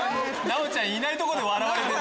奈央ちゃんいないとこで笑われてる。